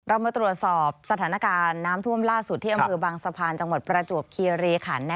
มาตรวจสอบสถานการณ์น้ำท่วมล่าสุดที่อำเภอบางสะพานจังหวัดประจวบคีรีขัน